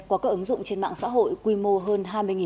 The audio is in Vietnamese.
qua các ứng dụng trên mạng xã hội quy mô hơn hai mươi tỷ đồng